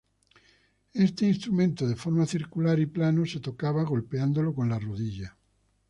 Este instrumento de forma circular y plano, se tocaba golpeándolo con la rodilla.